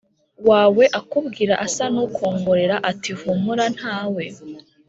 Wawe akubwira asa n ukongorera ati humura nta we